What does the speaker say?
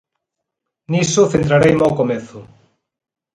Niso centrareime ao comezo.